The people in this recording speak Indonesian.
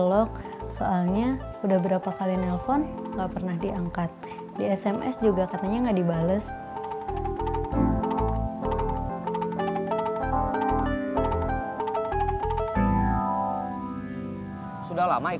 jururawat gue mau bawa dia